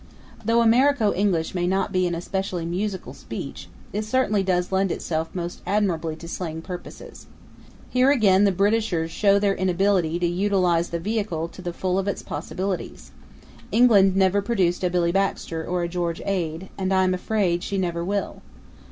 Though Americo English may not be an especially musical speech, it certainly does lend itself most admirably to slang purposes. Here again the Britishers show their inability to utilize the vehicle to the full of its possibilities. England never produced a Billy Baxter or a George Ade, and I am afraid she never will.